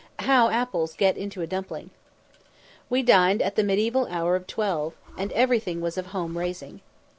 "How apples get into a dumpling." We dined at the mediaeval hour of twelve, and everything was of home raising.